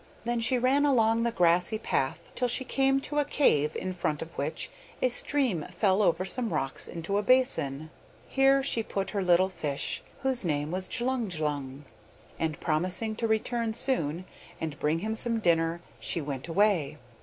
Then she ran along the grassy path till she came to a cave in front of which a stream fell over some rocks into a basin. Here she put her little fish, whose name was Djulung djulung, and promising to return soon and bring him some dinner, she went away.